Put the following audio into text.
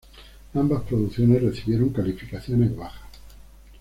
Ambas producciones recibieron calificaciones bajas.